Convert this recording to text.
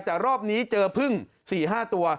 แต่รอบนี้เจอพึ่ง๔๕ตัว